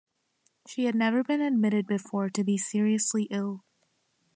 She had never been admitted before to be seriously ill.